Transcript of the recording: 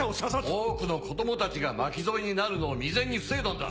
多くの子供たちが巻き添えになるのを未然に防いだんだ！